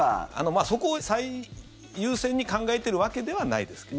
そこを最優先に考えてるわけではないですけど。